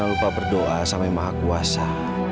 jangan lupa berdoa sama maha kuasa